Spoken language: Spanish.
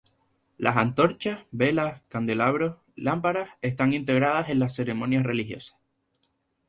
Las antorchas, velas, candelabros, lámparas están integradas en las ceremonias religiosas.